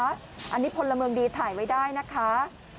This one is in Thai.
อันนี้พลเมืองดีถ่ายไว้ได้นะคะ